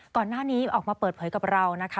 ก่อนหน้านี้ออกมาเปิดเผยกับเรานะคะ